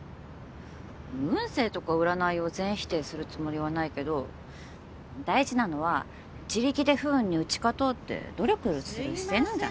運勢とか占いを全否定するつもりはないけど大事なのは自力で不運に打ち勝とうって努力する姿勢なんじゃ。